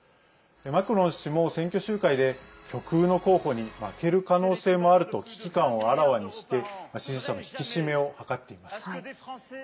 マクロン氏も選挙集会で極右の候補に負ける可能性もあると危機感をあらわにして支持者の引き締めを図っています。